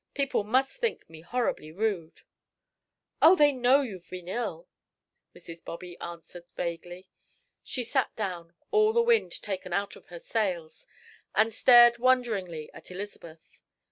People must think me horribly rude." "Oh, they know you've been ill," Mrs. Bobby answered vaguely. She sat down, all the wind taken out of her sails, and stared wonderingly at Elizabeth.